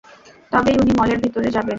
তবেই উনি মলের ভেতরে যাবেন।